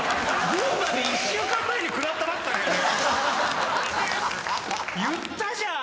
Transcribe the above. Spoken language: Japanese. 群馬で１週間前に食らったばっかだよね。